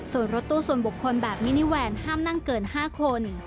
ส่วนรถตู้ส่วนบุคคลแบบมินิแวนห้ามนั่งเกิน๕คน